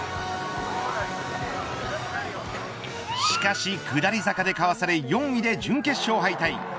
しかし下り坂でかわされ４位で準決勝敗退。